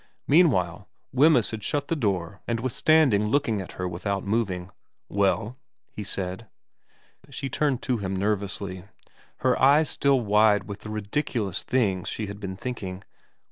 Meanwhile Wemyss had shut the door and was stand ing looking at her without moving. ' Well ?' he said. She turned to him nervously, her eyes still wide with the ridiculous things she had been thinking.